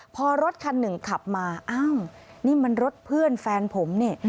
พอรถคันหนึ่งขับมาอ้าวนี่มันรถเพื่อนแฟนผมนี่